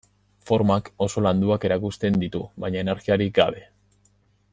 Formak oso landuak erakusten ditu baina energiarik gabe.